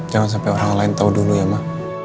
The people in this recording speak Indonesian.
jangan sampai orang lain tahu dulu ya mak